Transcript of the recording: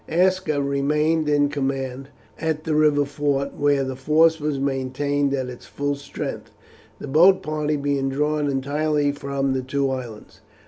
Aska remained in command at the river fort, where the force was maintained at its full strength, the boat party being drawn entirely from the two islands.